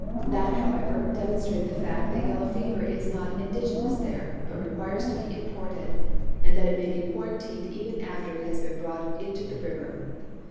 That, however, demonstrated the fact that yellow fever is not indigenous there, but requires to be imported, and that it may be quarantined even after it has been brought into the river.